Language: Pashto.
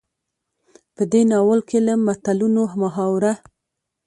په دې ناول کې له متلونو، محاورو،